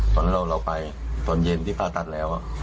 ตอนนั้นเราไปตอนเย็นที่ผ่าตัดแล้ว